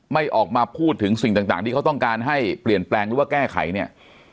ไม่ออกมาพูดถึงสิ่งต่างที่เขาต้องการให้เปลี่ยนแปลงหรือว่าแก้ไขเนี่ย